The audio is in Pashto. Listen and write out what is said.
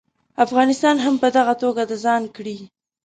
افغانستان هم په دغه توګه د ځان کړي.